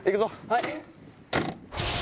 はい。